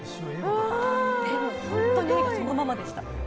本当にそのままでした。